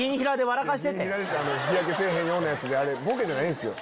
日焼けせぇへんようなやつであれボケじゃないんすよ。